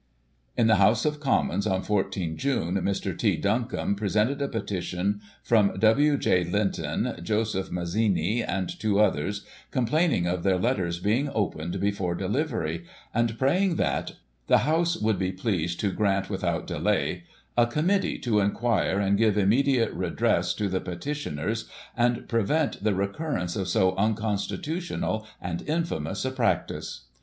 In the House of Commons, on 14 June, Mr. T. Buncombe presented a petition from W. J. Linton, Joseph Mazzini, and two others, complaining of their letters being opened before delivery, and praying that " The House would be pleased to grant, without delay, a Committee to inquire and give imme diate redress to the petitioners, and prevent the recurrence of so unconstitutional and infamous a practice."